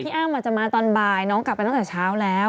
อ้ำอาจจะมาตอนบ่ายน้องกลับไปตั้งแต่เช้าแล้ว